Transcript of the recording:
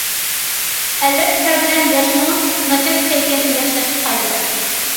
ئەلۋەتتە، تەر بىلەن ياشمۇ ناچار كەيپىياتنى ياخشىلاشقا پايدىلىق.